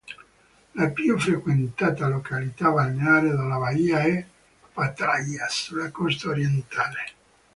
La più frequentata località balneare della baia è Pattaya, sulla costa orientale.